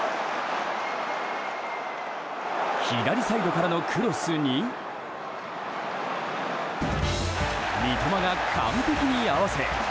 左サイドからのクロスに三笘が完璧に合わせ。